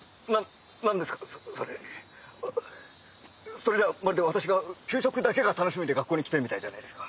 それじゃあまるで私が給食だけが楽しみで学校に来てるみたいじゃないですか。